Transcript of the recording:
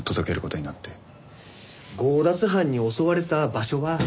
強奪犯に襲われた場所は？